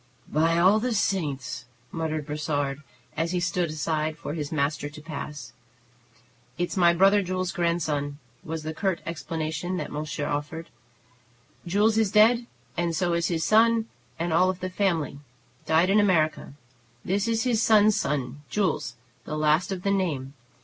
"By all the saints!" muttered Brossard, as he stood aside for his master to pass. "It's my brother Jules's grandson," was the curt explanation that monsieur offered. "Jules is dead, and so is his son and all the family, died in America. This is his son's son, Jules, the last of the name.